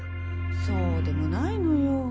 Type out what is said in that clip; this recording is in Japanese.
そうでもないのよ。